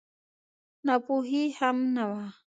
ناپوهي هم نه وه.